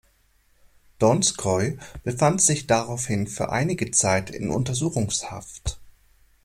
Donskoi befand sich daraufhin für einige Zeit in Untersuchungshaft.